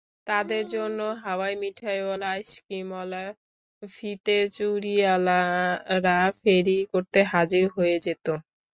তাদের জন্য হাওয়াই মিঠাইওয়ালা, আইসক্রিমওয়ালা, ফিতে-চুড়িওয়ালারা ফেরি করতে হাজির হয়ে যেত।